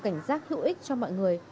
cảnh giác hữu ích cho mọi người